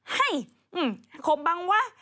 เฮ้ยขมบังวะ